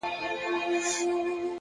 پوه انسان د بدلون هرکلی کوي.!